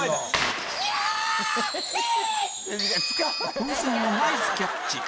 風船をナイスキャッチ